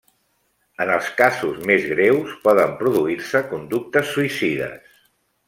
En els casos més greus poden produir-se conductes suïcides.